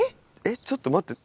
ちょっと待って。